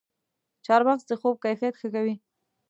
چارمغز د خوب کیفیت ښه کوي.